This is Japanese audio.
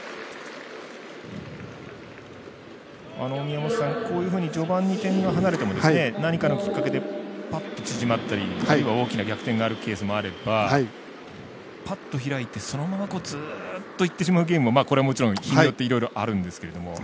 宮本さん、こういうふうに序盤に点が離れても何かのきっかけでぱっと縮まったり大きな逆転があるケースもあればぱっと開いてそのまま、ずっといってしまうゲームもこれは、もちろん日によってあるんですけども。